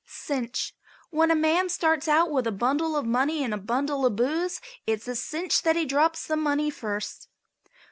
CINCH. When a man starts out with a bundle of money and a bundle of booze it's a cinch that he drops the money first.